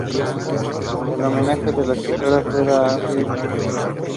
Es homenaje a la escritora sueca Astrid Lindgren.